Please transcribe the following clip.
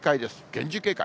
厳重警戒。